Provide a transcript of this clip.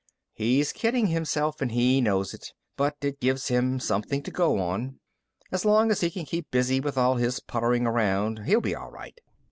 "He's kidding himself and he knows it, but it gives him something to go on. As long as he can keep busy with all his puttering around, he'll be all right."